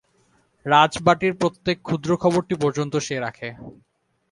রাজবাটীর প্রত্যেক ক্ষুদ্র খবরটি পর্যন্ত সে রাখে।